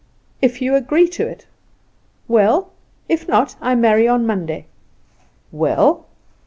If you agree to it, well; if not, I marry on Monday." "Well?"